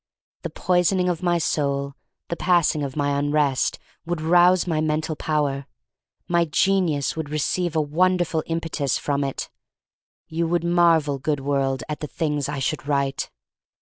The poisoning of my soul — the pass ing of my unrest — would rouse my mental power. My genius would re ceive a wonderful impetus from it. You would marvel, good world, at the things I should write.